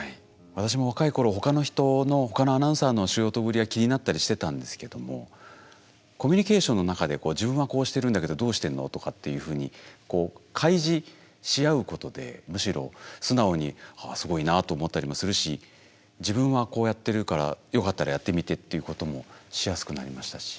私も若い頃他の人の他のアナウンサーの仕事ぶりが気になったりしてたんですけどもコミュニケーションの中で自分はこうしてるんだけどどうしてるの？とかっていうふうに開示し合うことでむしろ素直にああすごいなと思ったりもするし自分はこうやってるからよかったらやってみてっていうこともしやすくなりましたし。